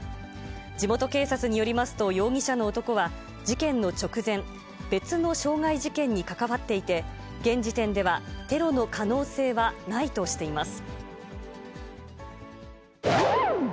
地元警察によりますと、容疑者の男は、事件の直前、別の傷害事件に関わっていて、現時点ではテロの可能性はないとしています。